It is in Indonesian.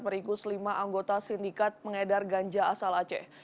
meringkus lima anggota sindikat pengedar ganja asal aceh